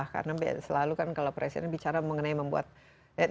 karena selalu kan kalau presiden bicara mengenai membuat nilai tamu